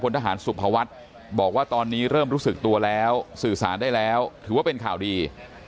ทหารสุภวัฒน์บอกว่าตอนนี้เริ่มรู้สึกตัวแล้วสื่อสารได้แล้วถือว่าเป็นข่าวดี